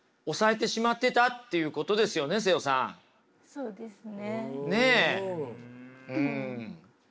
そうですね。